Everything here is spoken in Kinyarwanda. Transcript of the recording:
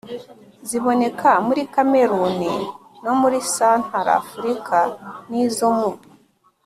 ziboneka muri Kameruni no muri Santarafurika n’izo mu